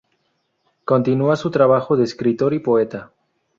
Continua su trabajo de escritor y poeta.